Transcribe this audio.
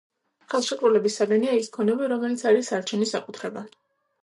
ხელშეკრულების საგანია ის ქონება, რომელიც არის სარჩენის საკუთრება.